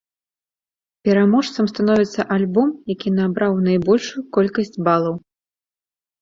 Пераможцам становіцца альбом, які набраў найбольшую колькасць балаў.